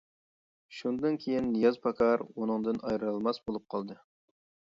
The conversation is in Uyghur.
شۇندىن كېيىن نىياز پاكار ئۇنىڭدىن ئايرىلالماس بولۇپ قالدى.